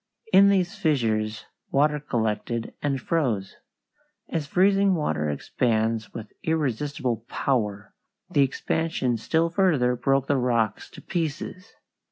In these fissures water collected and froze. As freezing water expands with irresistible power, the expansion still further broke the rocks to pieces.